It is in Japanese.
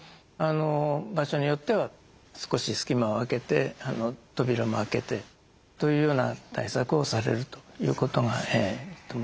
場所によっては少し隙間を空けて扉も開けてというような対策をされるということがいいと思います。